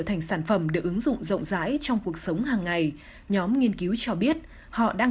thành sản phẩm được ứng dụng rộng rãi trong cuộc sống hàng ngày nhóm nghiên cứu cho biết họ đang